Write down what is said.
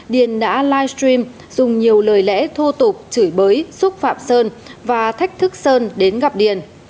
điền đã livestream dùng nhiều lời lẽ thô tục chửi bới xúc phạm sơn và thách thức sơn đến gặp điền